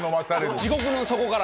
「地獄の底から」。